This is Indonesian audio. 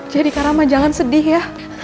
jadi kak rama jangan sedih ya